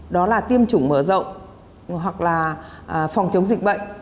đó là tiêm chủng mở rộng hoặc là phòng chống dịch bệnh